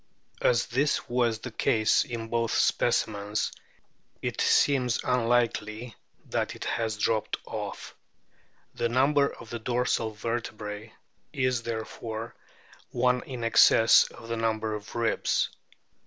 As this was the case in both specimens it seems unlikely that it has dropped off. The number of the dorsal vertebrae is therefore one in excess of the number of ribs.